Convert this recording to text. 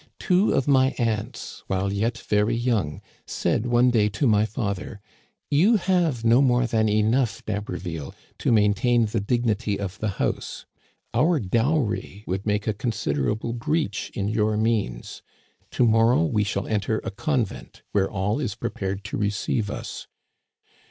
Two of my aunts, while yet very young, said one day to my father :* You have no more than enough, D'Haberville, to maintain the dignity of the house. Our dowry would make a considerable breach in your means. To morrow we shall enter a convent, where all is prepared to receive us.'